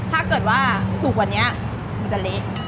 ถ้าเกิดว่าสุกกว่านี้มันจะเละ